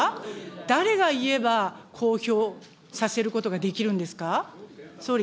誰が言えば公表させることができるんですか。